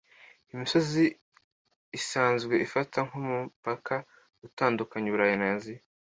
iyi misozi isanzwe ifatwa nkumupaka utandukanya Uburayi na Aziya